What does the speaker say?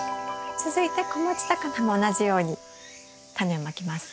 続いて子持ちタカナも同じようにタネをまきますね。